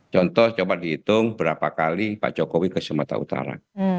contoh coba dihitung berapa kali pak jokowi ke sumatera utara